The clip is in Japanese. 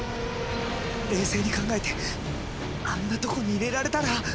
冷静に考えてあんなとこに入れられたら。